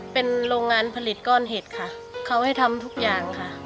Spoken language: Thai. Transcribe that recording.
เป็นโรงงานผลิตก้อนเห็ดค่ะเขาให้ทำทุกอย่างค่ะ